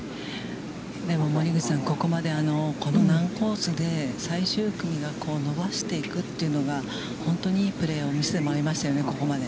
森口さん、ここまで、この難コースで最終組が伸ばしていくというのは、本当に、いいプレーを見せてもらいましたよね、ここまで。